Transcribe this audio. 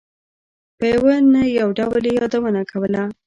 په یوه نه یو ډول یې یادونه کوله.